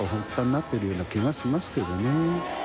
なってるような気がしますけどね。